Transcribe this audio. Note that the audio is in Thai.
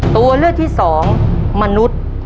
ตัวเลือกที่สองมนุษย์